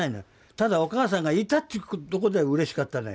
ただお母さんがいたっていうとこでうれしかったのよ。